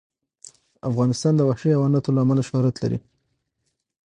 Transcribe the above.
افغانستان د وحشي حیواناتو له امله شهرت لري.